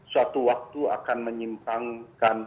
suatu waktu akan menyimpangkan